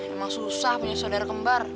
emang susah punya saudara kembar